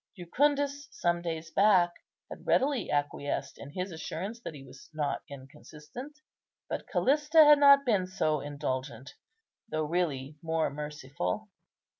Jucundus some days back had readily acquiesced in his assurance that he was not inconsistent; but Callista had not been so indulgent, though really more merciful.